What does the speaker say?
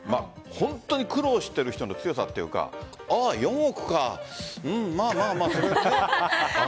本当に苦労している人の強さというか４億か、うんまあまあみたいな。